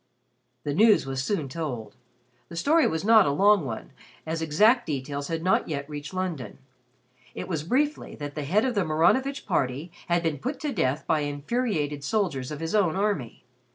The news was soon told. The story was not a long one as exact details had not yet reached London. It was briefly that the head of the Maranovitch party had been put to death by infuriated soldiers of his own army.